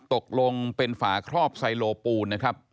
ตกลงเป็นฝาครอบไซโลปูนนะครับ